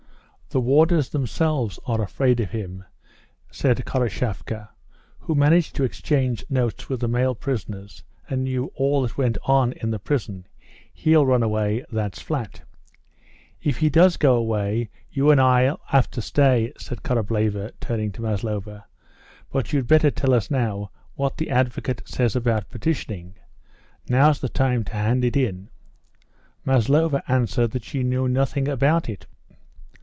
The warders themselves are afraid of him," said Khoroshavka, who managed to exchange notes with the male prisoners and knew all that went on in the prison. "He'll run away, that's flat." "If he does go away you and I'll have to stay," said Korableva, turning to Maslova, "but you'd better tell us now what the advocate says about petitioning. Now's the time to hand it in." Maslova answered that she knew nothing about it.